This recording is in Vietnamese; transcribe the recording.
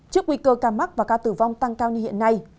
trước nguy cơ ca mắc và ca tử vong tăng cao như hiện nay